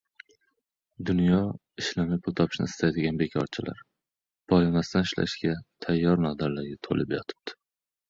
Dunyo ishlamay pul topishni istaydigan bekorchilar, boyimasdan ishlashga tayyor nodonlarga to‘lib yotibdi.